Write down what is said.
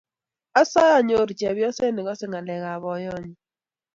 Asae anyoru chepnyoset negase ngalek kab boyonyi